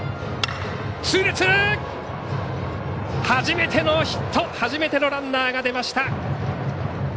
初めてのヒット初めてのランナーが出ました。